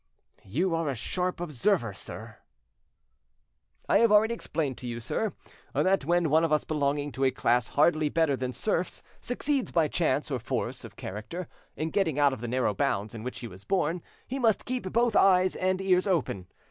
"You're a sharp observer, sir." "I have already explained to you, sir, that when one of us belonging to a class hardly better than serfs succeeds by chance or force of character in getting out of the narrow bounds in which he was born, he must keep both eyes and ears open.